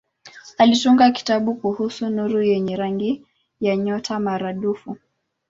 Alitunga kitabu kuhusu nuru yenye rangi ya nyota maradufu.